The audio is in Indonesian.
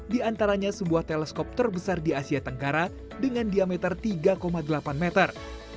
di antaranya sebuah teleskop terbesar di asia tenggara dengan diameter tiga delapan meter